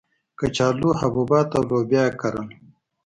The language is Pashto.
کچالو، حبوبات او لوبیا یې کرل.